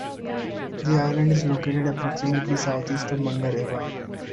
The island is located approximately southeast of Mangareva.